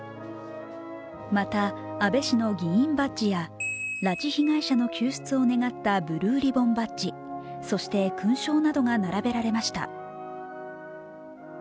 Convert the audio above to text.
また、安倍氏の議員バッジや拉致被害者の救出を願ったブルーリボンバッジ、そして勲章などが並べられました。